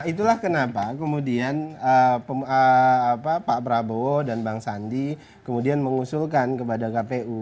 itulah kenapa kemudian pak prabowo dan bang sandi kemudian mengusulkan kepada kpu